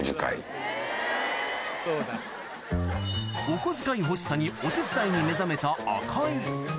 お小遣い欲しさにお手伝いに目覚めた赤井